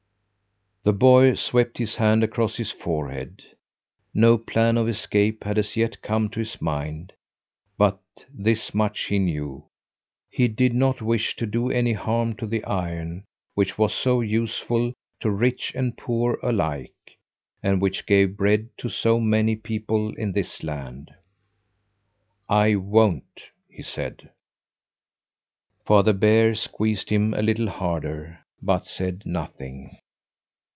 The boy swept his hand across his forehead. No plan of escape had as yet come to his mind, but this much he knew he did not wish to do any harm to the iron, which was so useful to rich and poor alike, and which gave bread to so many people in this land. "I won't!" he said. Father Bear squeezed him a little harder, but said nothing.